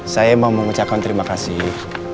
saya mau mengucapkan terima kasih